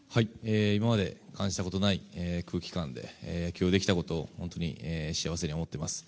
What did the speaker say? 今まで感じたことのない空気感で、野球をできたことを本当に幸せに思っています。